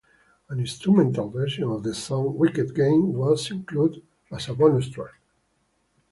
An instrumental version of the song "Wicked Game" was included as a bonus track.